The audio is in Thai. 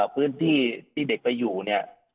พื้นที่ที่เด็กไปอยู่เนี่ย